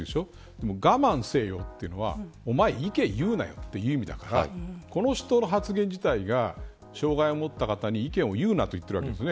でも我慢せよというのはおまえ、意見を言うなって意味だからこの人の発言自体が障害を持った人に意見を言うなと言ってるわけです。